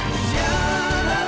lu jahat tau gak